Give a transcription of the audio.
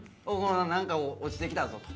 なんか落ちてきたぞと。